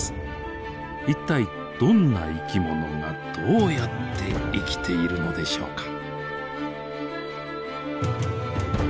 一体どんな生き物がどうやって生きているのでしょうか。